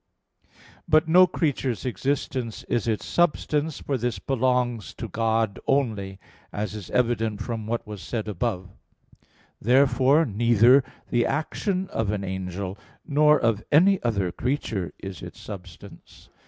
But no creature's existence is its substance, for this belongs to God only, as is evident from what was said above (Q. 3, A. 4). Therefore neither the action of an angel, nor of any other creature, is its substance.